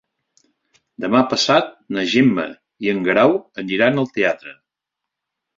Demà passat na Gemma i en Guerau aniran al teatre.